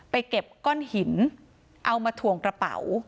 เก็บก้อนหินเอามาถ่วงกระเป๋า